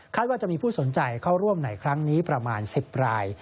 ว่าจะมีผู้สนใจเข้าร่วมในครั้งนี้ประมาณ๑๐ราย